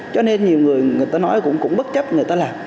cho nên nhiều người người ta nói cũng bất chấp người ta làm